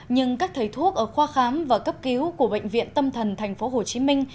nhưng các thầy thuốc ở khoa khám và cấp cứu của bệnh viện tâm thần tp hcm